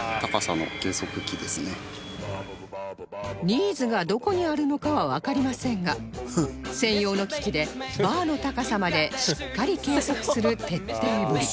ニーズがどこにあるのかはわかりませんが専用の機器でバーの高さまでしっかり計測する徹底ぶり